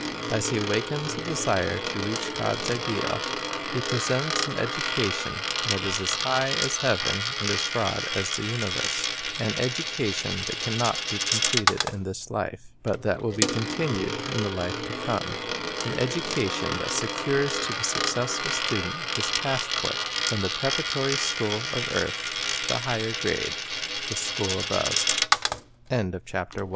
As he awakens a desire to reach God's ideal, he presents an education that is as high as heaven and as broad as the universe; an education that can not be completed in this life, but that will be continued in the life to come; an education that secures to the successful student his passport from the preparatory scho